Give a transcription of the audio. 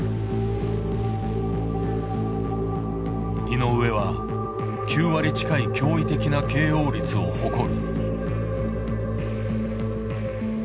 井上は、９割近い驚異的な ＫＯ 率を誇る。